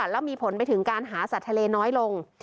แล้วมีผลไปถึงการหาสัตว์ทะเลน้อยลง